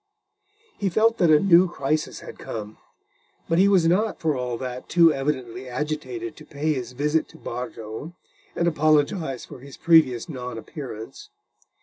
He felt that a new crisis had come, but he was not, for all that, too evidently agitated to pay his visit to Bardo, and apologise for his previous non appearance.